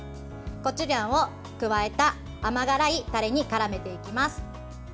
コチュジャンを加えた甘辛いタレにからめていきます。